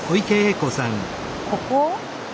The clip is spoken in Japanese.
ここ？